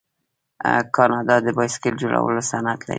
کاناډا د بایسکل جوړولو صنعت لري.